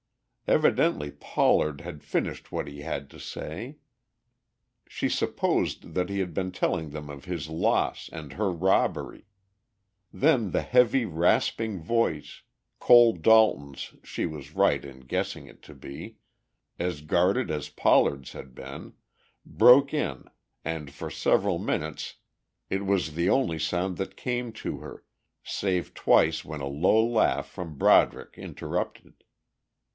Evidently Pollard had finished what he had to say. She supposed that he had been telling them of his loss and her robbery. Then the heavy, rasping voice, Cole Dalton's she was right in guessing it to be, as guarded as Pollard's had been, broke in and for several minutes it was the only sound that came to her, save twice when a low laugh from Broderick interrupted.